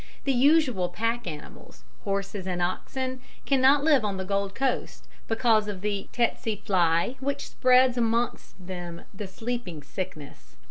The usual pack animals, horses and oxen, cannot live on the Gold Coast because of the tsetse fly, which spreads amongst them the sleeping sickness.